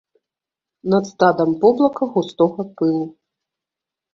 Над стадам воблака густога пылу.